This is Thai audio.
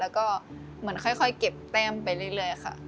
แล้วก็เหมือนค่อยเก็บแต้มไปเรื่อยค่ะ